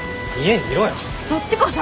そっちこそ。